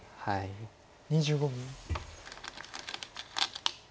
２５秒。